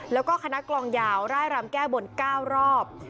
แล้วก็คณะกลองยาวร่ายรำแก้บน๙รอบ